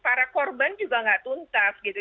para korban juga nggak tuntas gitu